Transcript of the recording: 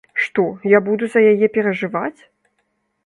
Што, я буду за яе перажываць?